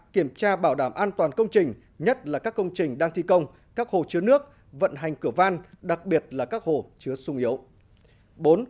kiểm tra bảo đảm an toàn công trình nhất là các công trình đang thi công các hồ chứa nước vận hành cửa van đặc biệt là các hồ chứa sung yếu